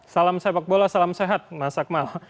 salam sepak bola salam sehat mas akmal